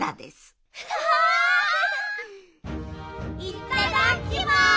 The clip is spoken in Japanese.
いただきます！